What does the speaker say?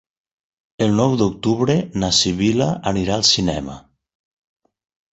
El nou d'octubre na Sibil·la anirà al cinema.